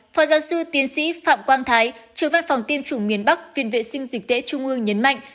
phó giáo sư tiến sĩ phạm quang thái trường văn phòng tiêm chủng miền bắc viện vệ sinh dịch tễ trung ương nhấn mạnh